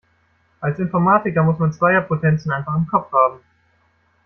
Als Informatiker muss man Zweierpotenzen einfach im Kopf haben.